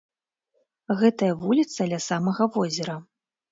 Гэтая вуліца ля самага возера.